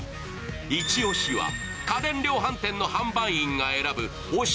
イチ押しは家電量販店の販売員が選ぶ推し